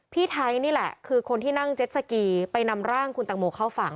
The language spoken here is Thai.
พี่ไทยนี่แหละคือคนที่นั่งเจ็ดสกีไปนำร่างคุณตังโมเข้าฝั่ง